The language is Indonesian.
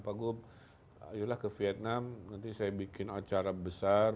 pak gup ayolah ke vietnam nanti saya bikin acara besar